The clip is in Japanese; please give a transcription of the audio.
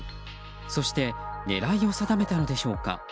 そして狙いを定めたのでしょうか。